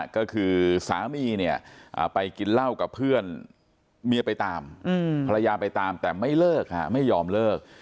ก็คือสามีเนี่ยไปกินเหล้ากับเพื่อนเมียไปตามภรรยาไปตามแต่ไม่เลิกไม่ยอมเลิก